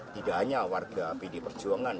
tidak hanya warga pd perjuangan